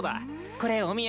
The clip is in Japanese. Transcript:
これお土産。